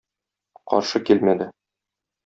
Каршы килмәде.